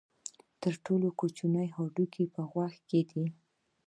تر ټولو کوچنی هډوکی په غوږ کې دی.